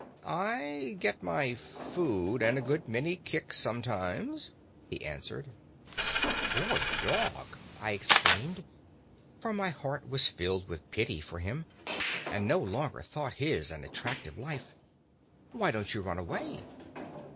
"'I get my food, and a good many kicks sometimes,' he answered. "'Poor dog!' I exclaimed, for my heart was filled with pity for him, and I no longer thought his an attractive life. 'Why don't you run away?'